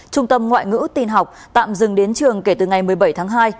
trung tâm ngoại ngữ tin học tạm dừng đến trường kể từ ngày một mươi bảy tháng hai